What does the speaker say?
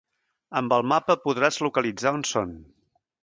Amb el mapa, podràs localitzar on són.